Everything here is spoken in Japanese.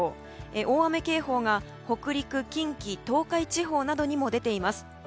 大雨警報が北陸近畿・東海地方などにも出ています。